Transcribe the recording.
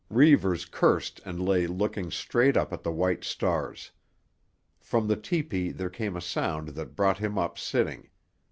Reivers cursed and lay looking straight up at the white stars. From the tepee there came a sound that brought him up sitting.